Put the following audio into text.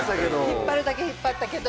引っ張るだけ引っ張ったけど。